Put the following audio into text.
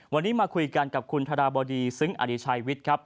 วันนี้มาคุยกันกับคุณธราบดีซึ้งอริชัยวิทย์ครับ